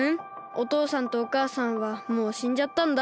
おとうさんとおかあさんはもうしんじゃったんだ。